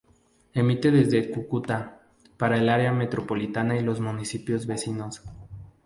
Emite desde Cúcuta para el área metropolitana y los municipios vecinos.